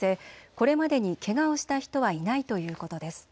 これまでにけがをした人はいないということです。